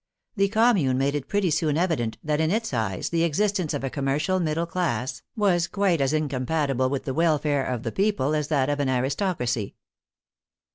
The Commune made it pretty soon evi dent that in its eyes the existence of a commercial middle class was quite as incompatible with the welfare of the people as that of an aristocracy.